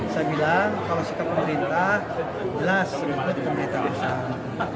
saya bilang kalau sikap pemerintah jelas menurut pemerintah usaha